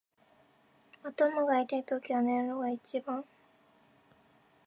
頭が痛いときは寝るのが一番。